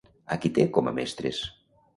A qui té com a mestres?